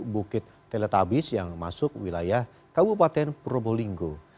bukit teletabis yang masuk wilayah kabupaten probolinggo